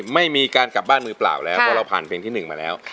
ไม่มีการกลับบ้านมือเปล่าแล้วเพราะเราผ่านเพลงที่๑มาแล้ว